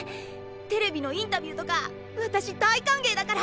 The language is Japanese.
テレビのインタビューとか私大歓迎だから！